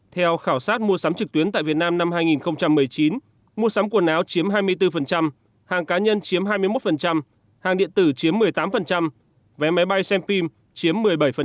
theo khảo sát mua sắm trực tuyến tại việt nam năm hai nghìn một mươi chín mua sắm quần áo chiếm hai mươi bốn hàng cá nhân chiếm hai mươi một hàng điện tử chiếm một mươi tám vé máy bay xem phim chiếm một mươi bảy